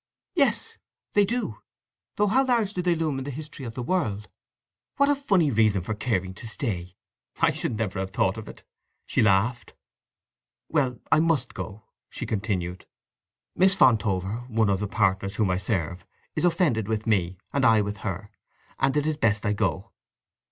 "Yes—they do. Though how large do they loom in the history of the world? … What a funny reason for caring to stay! I should never have thought of it!" She laughed. "Well—I must go," she continued. "Miss Fontover, one of the partners whom I serve, is offended with me, and I with her; and it is best to go."